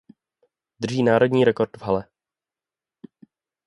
Drží národní rekord v hale.